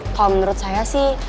kalau menurut saya sih